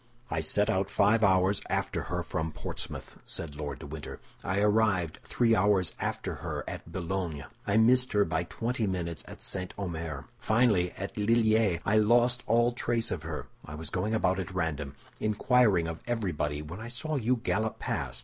"I set out five hours after her from Portsmouth," said Lord de Winter. "I arrived three hours after her at Boulogne. I missed her by twenty minutes at St. Omer. Finally, at Lilliers I lost all trace of her. I was going about at random, inquiring of everybody, when I saw you gallop past.